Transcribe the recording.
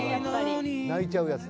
泣いちゃうやつ。